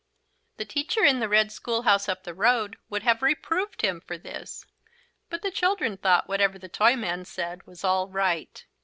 The teacher in the Red Schoolhouse up the road would have reproved him for this, but the children thought whatever the Toyman said was all right.